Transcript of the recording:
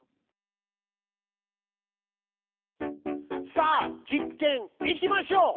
さあ実験いきましょう！